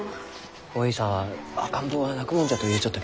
おえいさんは赤ん坊は泣くもんじゃと言うちょったけんど。